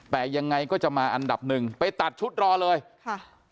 แต่ยังไงก็จะมาอันดับหนึ่งไปตัดชุดรอเลยค่ะ